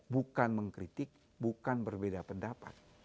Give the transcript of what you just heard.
bukan mengkritik bukan berbeda pendapat